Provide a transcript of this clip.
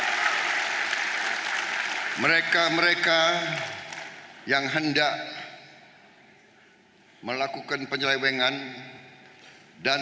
dan mereka mereka yang hendak melakukan penyelewengan dan mereka mereka yang hendak melakukan penyelewengan